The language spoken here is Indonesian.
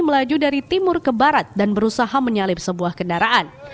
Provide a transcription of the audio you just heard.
melaju dari timur ke barat dan berusaha menyalip sebuah kendaraan